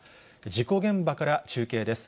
事故現場から中継です。